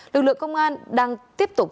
lực lượng công an đang tiếp tục